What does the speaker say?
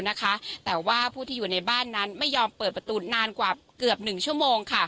แต่ว่าผู้ที่อยู่ในบ้านนั้นไม่ยอมเปิดประตูนานกว่าเกือบ๑ชั่วโมงค่ะ